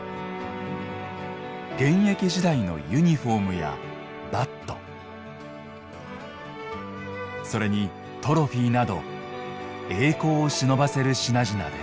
現役時代のユニフォームやバットそれにトロフィーなど栄光をしのばせる品々です。